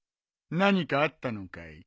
何かあったのかい？